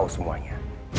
aku tahu semuanya